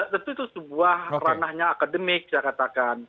tentu itu sebuah ranahnya akademik saya katakan